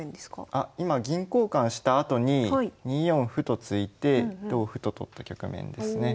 あ今銀交換したあとに２四歩と突いて同歩と取った局面ですね。